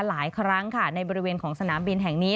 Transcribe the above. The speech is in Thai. หลายครั้งค่ะในบริเวณของสนามบินแห่งนี้